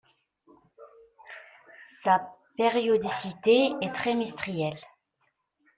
Sa périodicité est trimestrielle.